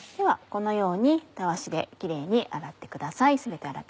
このようにたわしでキレイに全て洗ってください。